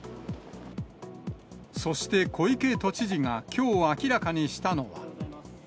そして小池都知事がきょう明らかにしたのは。